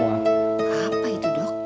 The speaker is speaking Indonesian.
apa itu dok